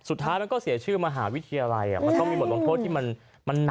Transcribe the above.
สุดท้ายก็เสียชื่อมหาวิทยาลัยมันก็มีหมวดปรวงโภคที่มันหนักกว่านี้